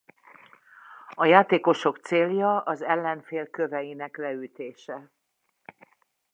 A játékosok célja az ellenfél köveinek leütése.